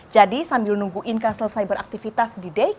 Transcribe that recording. jadi sambil nunggu inka selesai beraktivitas